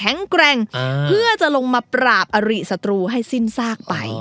อ๋อโอเคจ้ะ